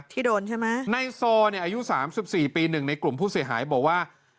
ที่โดนใช่ไหมในซอเนี่ยอายุ๓๔ปีหนึ่งในกลุ่มผู้เสียหายบอกว่า